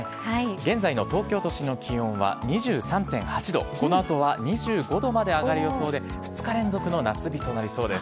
現在の東京都心の気温は２３．８度、このあとは２５度まで上がる予想で、２日連続の夏日となりそうです。